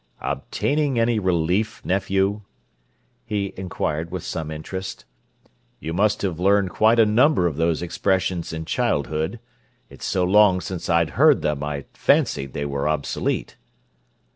"Obtaining any relief, nephew?" he inquired with some interest. "You must have learned quite a number of those expressions in childhood—it's so long since I'd heard them I fancied they were obsolete."